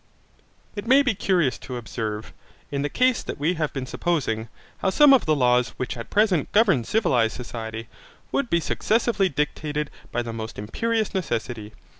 It may be curious to observe, in the case that we have been supposing, how some of the laws which at present govern civilized society, would be successively dictated by the most imperious necessity.